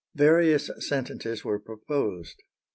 Various sentences were proposed.